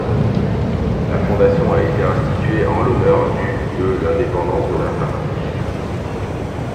La fondation a été instituée en l'honneur du de l'indépendance de la Finlande.